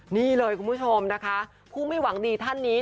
นี่เลยคุณผู้ชมนะคะผู้ไม่หวังดีท่านนี้